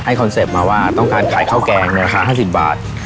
คอนเซ็ปต์มาว่าต้องการขายข้าวแกงในราคา๕๐บาท